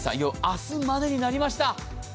明日までになりました。